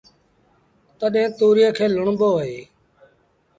تڏهيݩ تُوريئي کي لُوڻبو اهي